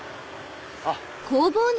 あっ。